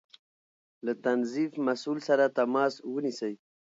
له تنظيف مسؤل سره تماس ونيسئ